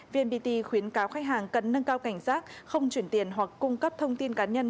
vnpt khuyến cáo khách hàng cần nâng cao cảnh giác không chuyển tiền hoặc cung cấp thông tin cá nhân